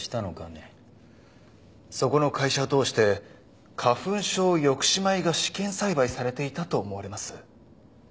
そこの会社を通して花粉症抑止米が試験栽培されていたと思われます。